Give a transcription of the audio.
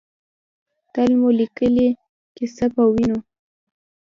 تل مو لیکلې ، کیسه پۀ وینو